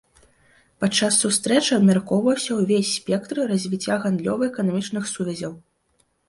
Падчас сустрэчы абмяркоўваўся ўвесь спектр развіцця гандлёва-эканамічных сувязяў.